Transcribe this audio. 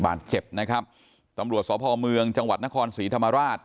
บาดเจ็บนะครับตำรวจสพเมืองจังหวัดนครศรีธรรมราช